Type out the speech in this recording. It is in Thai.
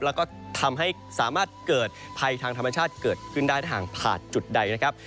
แล้วก็ทำให้สามารถเกิดภัยทางธรรมชาติเกิดขึ้นได้ถ้าหากผ่านจุดใดนะครับ